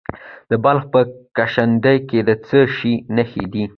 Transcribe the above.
د بلخ په کشنده کې د څه شي نښې دي؟